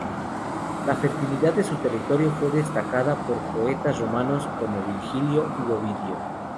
La fertilidad de su territorio fue destacada por poetas romanos como Virgilio u Ovidio.